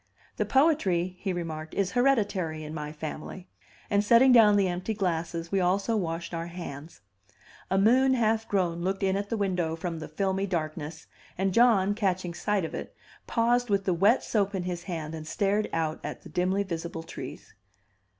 "The poetry," he remarked, "is hereditary in my family;" and setting down the empty glasses we also washed our hands. A moon half grown looked in at the window from the filmy darkness, and John, catching sight of it, paused with the wet soap in his hand and stared out at the dimly visible trees.